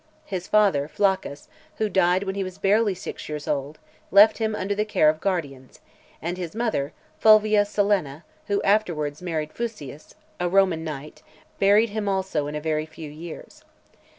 His father, Flaccus, who died when he was barely six years old, left him under the care of guardians, and his mother, Fulvia Silenna, who afterwards married Fusius, a Roman knight, buried him also in a very few years.